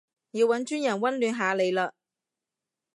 要搵專人溫暖下你嘞